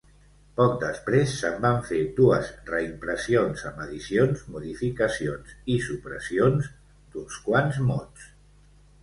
Poc després se'n van fer dues reimpressions amb addicions, modificacions i supressions d'uns quants mots.